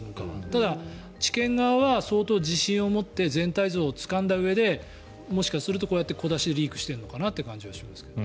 ただ、地検側は相当、自信を持って全体像をつかんだうえでもしかするとこうやって小出しでリークしているのかなという感じはしますけれど。